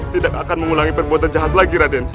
tidak akan mengulangi perbuatan jahat lagi raden